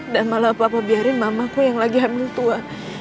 dan malah papa biarin mamaku yang lagi hamil tua